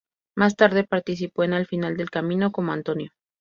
Más tarde, participó en "Al final del camino", como Antonio.